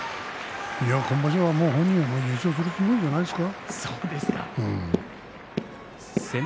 今場所は本人も優勝するつもりじゃないですか。